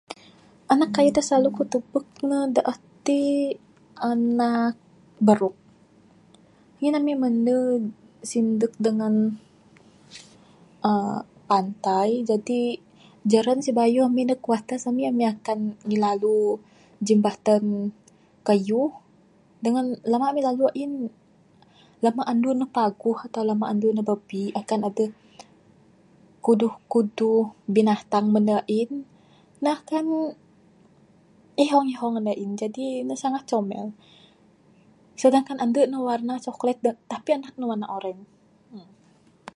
Anak kayuh da silalu ku tubek ne da ati anak baruk...ngin ami mene sindek dangan uhh pantai...jadi jaran sibayuh ami neg kuarters ami ami akan ngilalu jimbatan kayuh dangan lama ami lalu ain lama andu ne paguh atau lama andu ne babi akan adeh kuduh kuduh binatang mene ain ne akan ihong ihong mene jadi ne sangat comel...sedangkan ande ne warna coklat tapi anak ne warna oren.